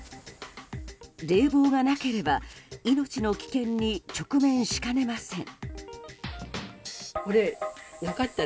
冷房がなければ命の危険に直面しかねません。